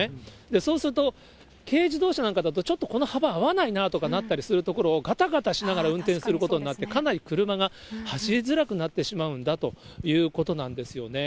そうすると、軽自動車なんかだと、ちょっとこの幅、合わないなとかなったりすると、がたがたしながら運転することになってしまって、かなり車が走りづらくなってしまうんだということなんですよね。